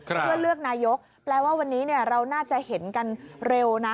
เพื่อเลือกนายกแปลว่าวันนี้เราน่าจะเห็นกันเร็วนะ